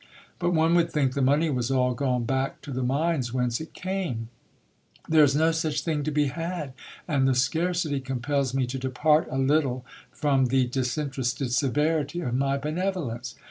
But one would think the money was all gone back to the mines whence it came : th ere is no such thing to be had, and the scarcity compels me to depart a little from the disinterested severity of my benevolence.